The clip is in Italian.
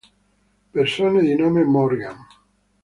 Persone di nome Morgan